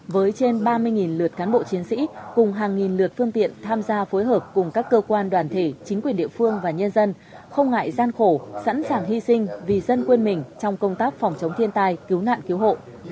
với trên ba mươi lượt cán bộ chiến sĩ cùng hàng nghìn lượt phương tiện tham gia phối hợp cùng các cơ quan đoàn thể chính quyền địa phương và nhân dân không ngại gian khổ sẵn sàng hy sinh vì dân quên mình trong công tác phòng chống thiên tai cứu nạn cứu hộ